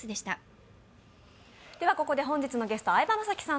本日のゲスト、相葉雅紀さん